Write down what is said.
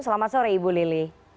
selamat sore ibu lili